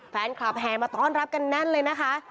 แฟนคลับแฮงมาต้อนรับกันนั่นเลยนะคะ